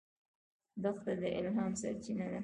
دښته د الهام سرچینه ده.